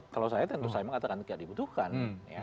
kalau saya tentu saya mengatakan tidak dibutuhkan